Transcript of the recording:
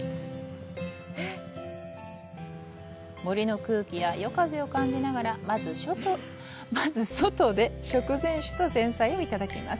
森の空気や夜風を感じながらまず外で食前酒と前菜をいただきます。